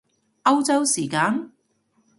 歐洲時間？